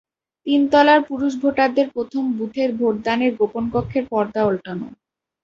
তিন তলার পুরুষ ভোটারদের প্রথম বুথের ভোটদানের গোপন কক্ষের পর্দা ওল্টানো।